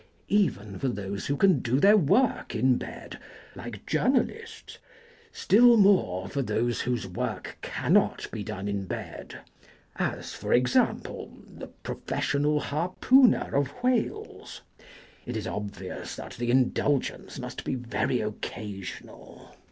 Even for those who can do their work in bed (like journalists), still more for those whose work cannot be done in bed (as, for example, the professional harpooner of whales), it is obvious that the indulgence must be very occasional.